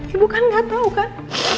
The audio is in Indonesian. ibu kan gak tau kan